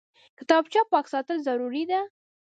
کتابچه پاک ساتل ضروري دي